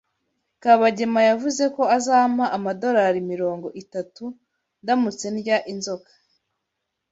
Kabagema yavuze ko azampa amadorari mirongo itatu ndamutse ndya inzoka.